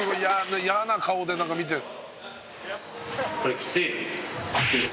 嫌な顔で見てる」